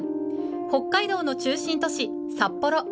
北海道の中心都市・札幌。